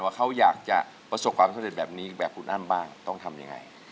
ว่าเขาอยากจะประสบความสำเร็จแบบนี้แบบคุณอ้ำบ้างต้องทำยังไง